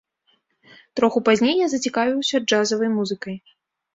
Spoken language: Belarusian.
Троху пазней я зацікавіўся джазавай музыкай.